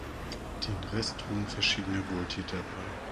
Den Rest trugen verschiedene Wohltäter bei.